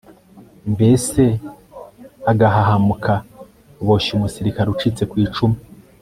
mbese agahahamuka boshye umusirikare ucitse ku icumu